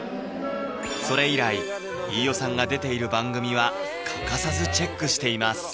それ以来飯尾さんが出ている番組は欠かさずチェックしています